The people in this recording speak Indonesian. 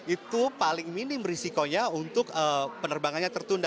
itu paling minim risikonya untuk penerbangannya tertunda